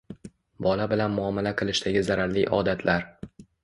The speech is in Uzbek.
Bola bilan muomala qilishdagi zararli odatlar.